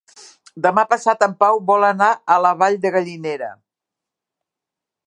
Demà passat en Pau vol anar a la Vall de Gallinera.